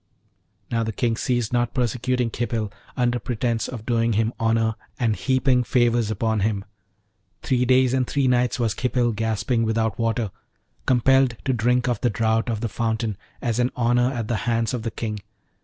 Now, the King ceased not persecuting Khipil, under pretence of doing him honour and heaping favours on him. Three days and three nights was Khipil gasping without water, compelled to drink of the drought of the fountain, as an honour at the hands of the King.